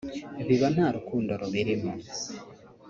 biba nta rukundo rubirimo